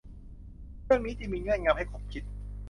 เรื่องนี้จึงมีเงื่อนงำ ให้ขบคิด